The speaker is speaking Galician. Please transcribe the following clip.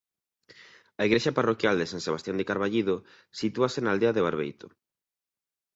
A igrexa parroquial de san Sebastián de Carballido sitúase na aldea de Barbeito.